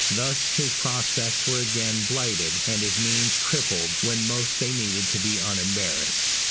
Thus his prospects were again blighted, and his means crippled when most they needed to be unembarrassed.